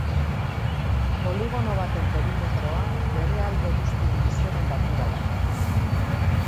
Poligono baten perimetroa bere alde guztien luzeren batura da.